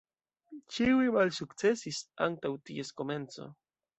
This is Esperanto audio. Ĉiuj malsukcesis antaŭ ties komenco.